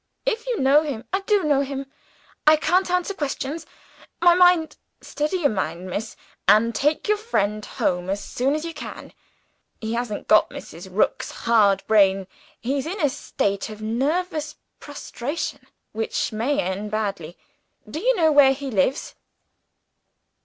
If you know him " "I do know him. I can't answer questions! My mind " "Steady your mind, miss! and take your friend home as soon as you can. He hasn't got Mrs. Rook's hard brain; he's in a state of nervous prostration, which may end badly. Do you know where he lives?"